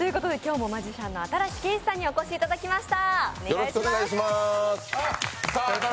今日もマジシャンの新子景視さんにお越しいただきました。